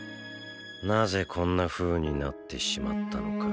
なぜこんなふうになってしまったのか